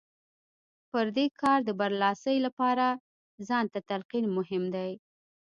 پر دې کار د برلاسۍ لپاره ځان ته تلقين مهم دی.